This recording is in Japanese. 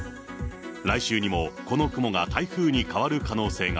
来週にもこの雲が台風に変わる可能性が。